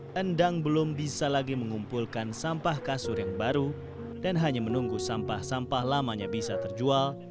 endang belum bisa lagi mengumpulkan sampah kasur yang baru dan hanya menunggu sampah sampah lamanya bisa terjual